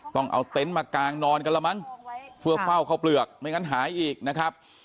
ต้องเอาเต็นต์มากางนอนกันแล้วมั้งเพื่อเฝ้าข้าวเปลือกไม่งั้นหายอีกนะครับ